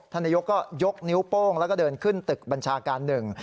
นายกก็ยกนิ้วโป้งแล้วก็เดินขึ้นตึกบัญชาการหนึ่ง